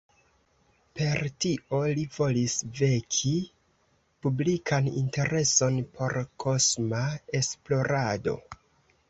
Per tio li volis veki publikan intereson por kosma esplorado.